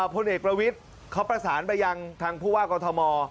พลเอกประวิทย์เขาประสานไปยังทางผู้ว่ากอทม